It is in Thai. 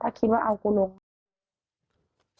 ก็คิดว่าเอากูลง